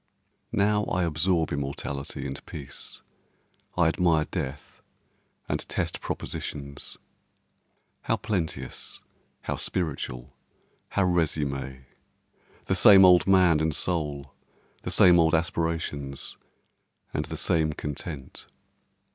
Now I absorb immortality and peace, I admire death and test propositions. How plenteous! how spiritual! how resume! The same old man and soul—the same old aspirations, and the same content.